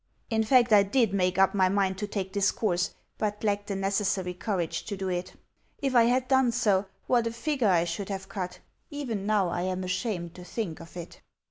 In fact, I DID make up my mind to take this course, but lacked the necessary courage to do it. If I had done so, what a figure I should have cut! Even now I am ashamed to think of it.